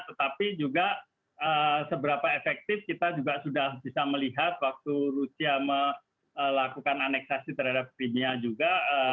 tetapi juga seberapa efektif kita juga sudah bisa melihat waktu rusia melakukan aneksasi terhadap dunia juga